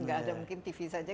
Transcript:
nggak ada mungkin tv saja